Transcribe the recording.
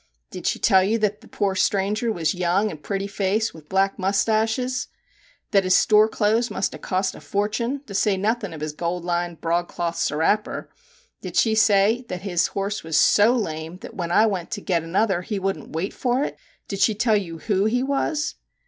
' Did she tell you that the poor stranger was young and pretty faced, with black moustarches ? that his store clothes must have cost a fortin, saying nothing of his gold lined, broadcloth sarrapper? Did she say that his horse was so lame that when I went to get another he wouldn't wait for it ? Did she tell you who he was